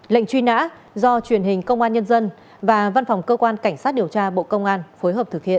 lệnh truy nã do truyền hình công an nhân dân và văn phòng cơ quan cảnh sát điều tra bộ công an phối hợp thực hiện